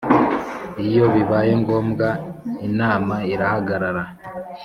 Iyo bibaye ngombwa Inama irahagarara